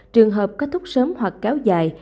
trường hợp kết thúc sớm hoặc kéo dài